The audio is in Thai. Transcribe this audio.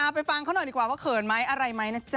ไปฟังเขาหน่อยดีกว่าเขินอะไร